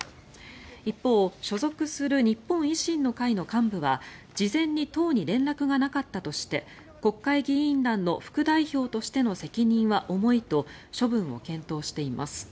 一方所属する日本維新の会の幹部は事前に党に連絡がなかったとして国会議員団の副代表としての責任は重いと処分を検討しています。